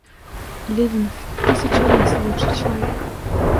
Левин в тысячу раз лучше человек.